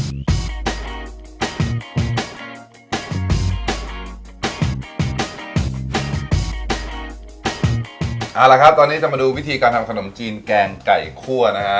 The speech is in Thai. เอาละครับตอนนี้จะมาดูวิธีการทำขนมจีนแกงไก่คั่วนะฮะ